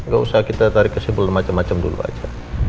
gak usah kita tarik kesibul macem macem dulu aja